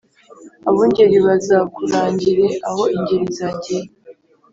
abungeri bazakurangire aho ingeri zagiye